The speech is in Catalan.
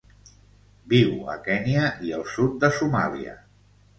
Viu a Kenya i el sud de Somàlia.